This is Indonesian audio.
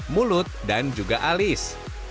mulut dan juga alis